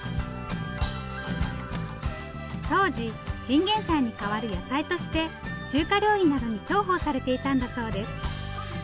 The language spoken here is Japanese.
当時チンゲンサイに代わる野菜として中華料理などに重宝されていたんだそうです。